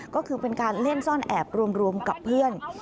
ก็คือเป็นการเล่นซ่อนแอบรวมกับเพื่อน